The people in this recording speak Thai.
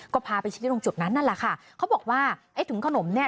ก็พาไปชี้ตรงจุดนั้นนั่นแหละค่ะเขาบอกว่าไอ้ถุงขนมเนี่ย